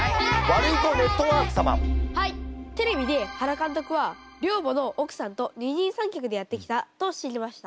テレビで原監督は寮母の奥さんと二人三脚でやってきたと知りました。